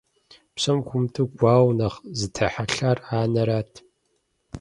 Псом хуэмыдэу гуауэр нэхъ зытехьэлъар анэрат.